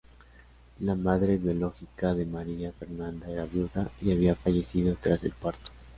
La madre biológica de Maria Fernanda era viuda y había fallecido tras el parto.